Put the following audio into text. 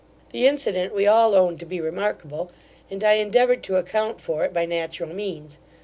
The incident we all owned to be remarkable, and I endeavoured to account for it by natural means.